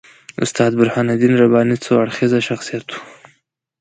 استاد برهان الدین رباني څو اړخیز شخصیت وو.